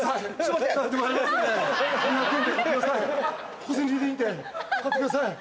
小銭でいいんで買ってください。